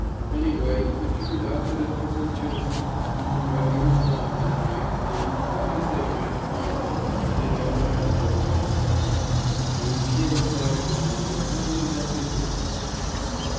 Anyway, it turned out that it wasn't Jim's fault. But he was gone that night, and try as they might to find him, they never had word of him since. And Joe sighed again more heavily than before.